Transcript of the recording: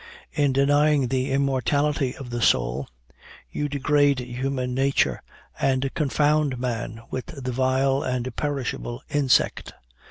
In denying the immortality of the soul, you degrade human nature, and confound man with the vile and perishable insect.